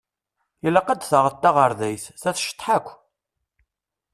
Ilaq ad d-taɣeḍ taɣerdayt, ta tceṭṭeḥ akk.